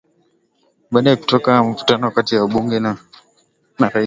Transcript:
baada kutokea mvutano kati ya wabunge na rais kuhusu kufanyika